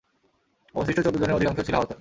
অবশিষ্ট চৌদ্দজনের অধিকাংশই ছিল আহত।